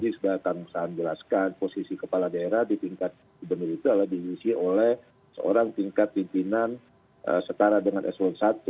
jadi sudah akan saya jelaskan posisi kepala daerah di tingkat kebenar itu adalah diisi oleh seorang tingkat pimpinan setara dengan s satu